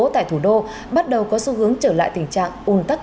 tức là nó nát